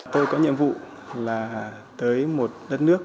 tôi có nhiệm vụ là tới một đất nước